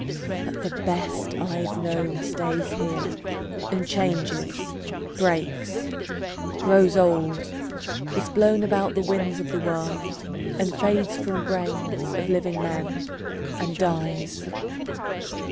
But the best I've known, Stays here, and changes, breaks, grows old, is blown About the winds of the world, and fades from brains Of living men, and dies.